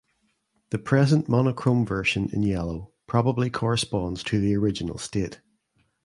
The present monochrome version in yellow probably corresponds to the original state.